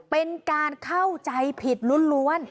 เป็นการเข้าใจผิดล้วน